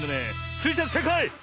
スイちゃんせいかい！